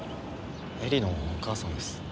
絵里のお母さんです。